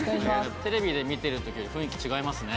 テレビで見てる時より雰囲気違いますね。